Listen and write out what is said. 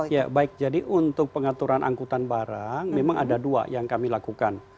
ya baik jadi untuk pengaturan angkutan barang memang ada dua yang kami lakukan